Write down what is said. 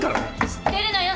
知ってるのよ